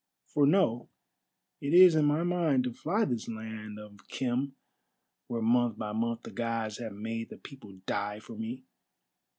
For know, it is in my mind to fly this land of Khem, where month by month the Gods have made the people die for me.